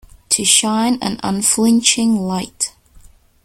To shine an unflinching light.